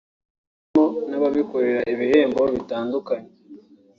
harimo n’ababikorera ibihembo bitandukanye